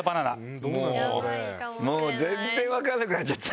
もう全然わかんなくなっちゃった。